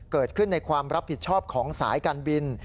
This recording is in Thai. เกิดขึ้นในความรับผิดชอบของสายการบิน